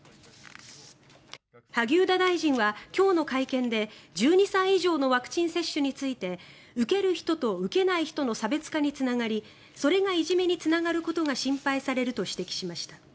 萩生田大臣は今日の会見で１２歳以上のワクチン接種について受ける人と受けない人の差別化につながりそれがいじめにつながることが心配されると指摘しました。